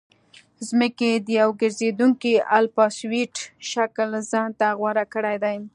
ځمکې د یو ګرځېدونکي الپسویډ شکل ځان ته غوره کړی دی